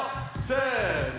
せの！